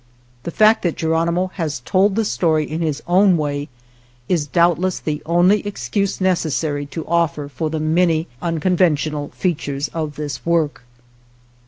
The fact that Geronimo has told the story in his own way is doubtless the only excuse necessary to offer for the many unconven tional features of this work.